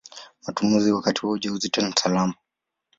Matumizi wakati wa ujauzito ni salama.